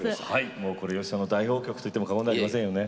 もうこれ吉さんの代表曲といっても過言じゃありませんよね。